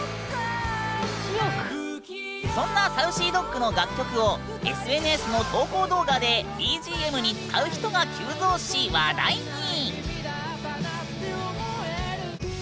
そんなＳａｕｃｙＤｏｇの楽曲をＳＮＳの投稿動画でＢＧＭに使う人が急増し話題に！